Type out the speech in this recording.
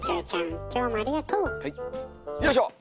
よいしょ！